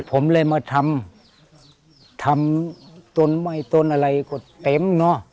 ผมเลยมาทำทำต้นไหม้ต้นอะไรก็เต็มเนอะ